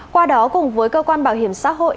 qua đó cùng với cơ quan bảo hiểm xã hội